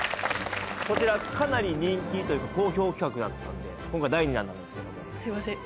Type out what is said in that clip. こちらかなり人気というか好評企画やったんで今回第２弾なんですけどもすいません